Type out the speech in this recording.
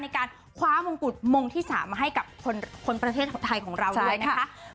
ในการคว้ามงกุฎมงที่๓มาให้กับคนประเทศไทยของเราด้วยนะคะ